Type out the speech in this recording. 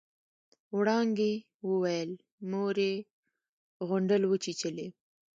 وړانګې وويل مور يې غونډل وچېچلې.